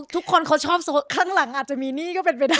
ทุกคนเขาชอบข้างหลังอาจจะมีหนี้ก็เป็นไปได้